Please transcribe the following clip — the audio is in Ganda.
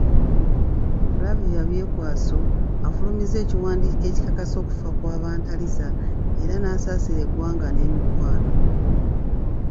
Flavia Byekwaso afulumizaawo ekiwandiiko ekikakasa okufa kwa Bantariza era n'asaasira eggwanga n'emikwano.